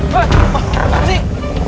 pak apa sih